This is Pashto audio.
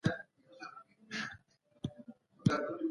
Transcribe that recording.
د پناه غوښتونکو قضیې باید په عادلانه توګه وڅیړل سي.